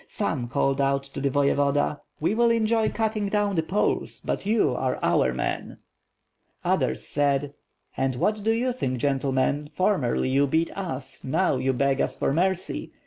Some called out to the Voyevoda: "We will enjoy cutting down the Poles, but you are our man!" Others said, "And what do you think, gentlemen; formerly you beat us, now you beg us for mercy!